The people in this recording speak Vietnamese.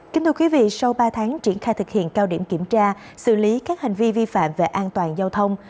kính thưa quý vị sau ba tháng triển khai thực hiện cao điểm kiểm tra xử lý các hành vi vi phạm về an toàn giao thông